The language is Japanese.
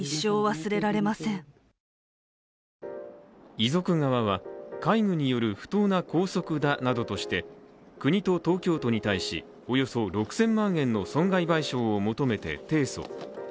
遺族側は、戒具による不当な拘束だなどとして国と東京都に対し、およそ６０００万円の損害賠償を求めて提訴。